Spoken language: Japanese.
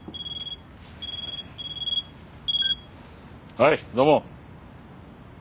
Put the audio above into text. はい土門。